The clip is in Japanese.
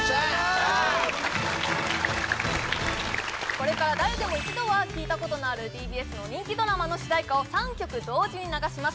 これから誰でも一度は聴いたことのあるＴＢＳの人気ドラマの主題歌を３曲同時に流します